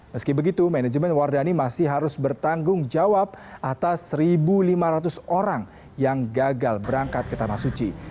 meski begitu manajemen wardani masih harus bertanggung jawab atas satu lima ratus orang yang gagal berangkat ke tanah suci